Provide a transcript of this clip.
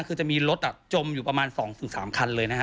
คือจะมีรถอ่ะจมอยู่ประมาณสองถึงสามคันเลยนะฮะ